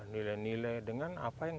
nilai nilai dengan apa yang